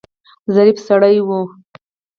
ظریف سړی و.